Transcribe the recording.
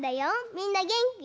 みんなげんき？